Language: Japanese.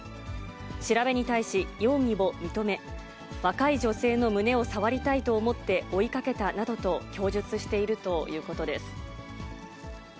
調べに対し、容疑を認め、若い女性の胸を触りたいと思って追いかけたなどと供述しているということです。